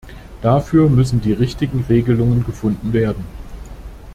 Dafür müssen die richtigen Regelungen gefunden werden.